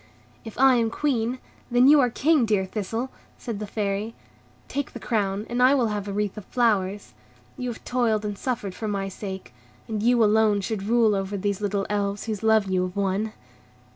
"If I am Queen, then you are King, dear Thistle," said the Fairy. "Take the crown, and I will have a wreath of flowers. You have toiled and suffered for my sake, and you alone should rule over these little Elves whose love you have won."